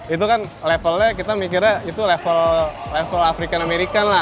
itu kan levelnya kita mikirnya itu level african amerika lah